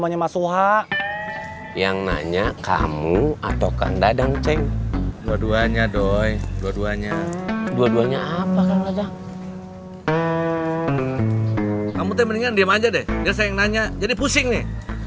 ya saya yang nanya jadi pusing nih